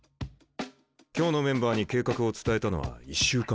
今日のメンバーに計画を伝えたのは１週間前だ。